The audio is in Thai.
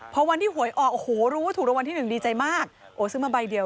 พอวันที่หวยออกโอ้โหรู้ว่าถูกรางวัลที่หนึ่งดีใจมากโอ้ซื้อมาใบเดียว